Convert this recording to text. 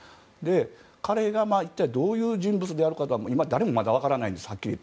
彼が一体どういう人物であるかは今、誰も分からないんです。